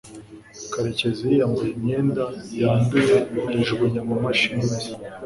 karekezi yiyambuye imyenda yanduye ayijugunya mu mashini imesa